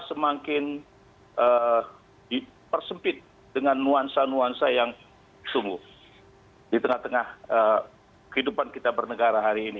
semakin dipersempit dengan nuansa nuansa yang sungguh di tengah tengah kehidupan kita bernegara hari ini